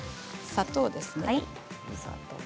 砂糖ですね。